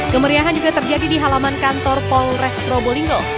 kemeriahan juga terjadi di halaman kantor polres probolinggo